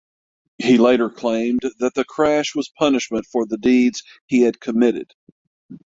He later claimed that the crash was punishment for the deeds he had committed.